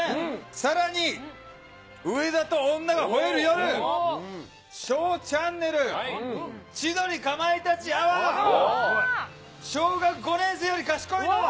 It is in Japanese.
さらに、上田と女が吠える夜、ＳＨＯＷチャンネル、千鳥かまいたちアワー、小学５年生より賢いの？